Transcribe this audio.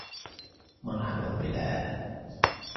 مرحبًا بالعالم!